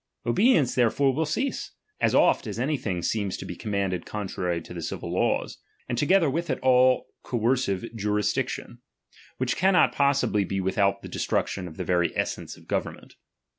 Obedience therefore will cease, as oft as anything seems to be commanded contrary to the civil laws, and together with it all coercive juris diction ; which cannot possibly be without the destruction of the very essence of government.